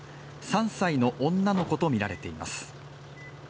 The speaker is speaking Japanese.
３歳の女の子とみられています。